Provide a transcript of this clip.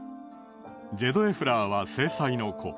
ジェドエフラーは正妻の子。